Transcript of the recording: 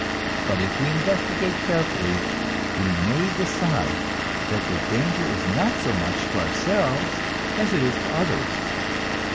But if we investigate carefully, we may decide that the danger is not so much to ourselves as it is to others.